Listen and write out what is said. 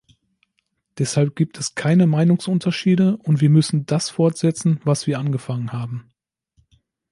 Deshalb gibt es keine Meinungsunterschiede, und wir müssen das fortsetzen, was wir angefangen haben.